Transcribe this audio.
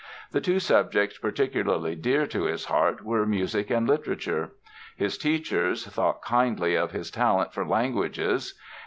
The two subjects particularly dear to his heart were music and literature. His teachers thought kindly of his talent for languages.